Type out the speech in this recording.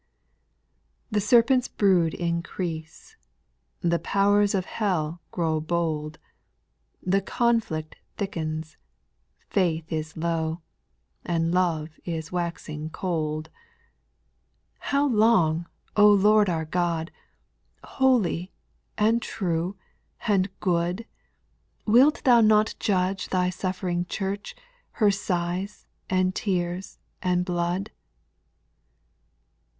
8. The serpent's brood increase, The powers of hell grow bold, The conflict thickens, faith is low, And love is waxing cold. How long, O Lord our God, Holy, and true, and good. Wilt thou not judge thy suJBfering church, Her sighs, and tears, and blood